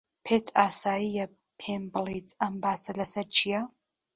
پێت ئاسایییە پێم بڵێیت ئەم باسە لەسەر چییە؟